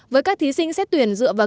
với các thí sinh xét tuyển dựa vào